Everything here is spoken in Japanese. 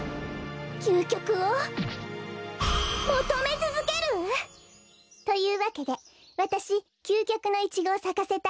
きゅうきょくをもとめつづける！というわけでわたしきゅうきょくのイチゴをさかせたいの。